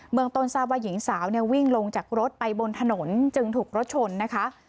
เมืองต้นทราบว่าหญิงสาวเนี่ยวิ่งลงจากรถไปบนถนนจึงถูกรถชนนะคะ